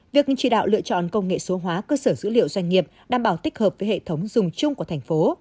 việc chỉ đạo lựa chọn công nghệ số hóa cơ sở dữ liệu doanh nghiệp đảm bảo tích hợp với hệ thống dùng chung của thành phố